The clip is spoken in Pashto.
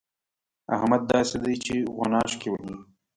احمد داسې دی چې غوڼاشکې وهي.